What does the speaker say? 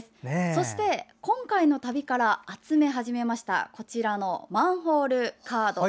そして今回の旅から集め始めましたマンホールカード。